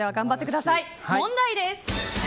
問題です。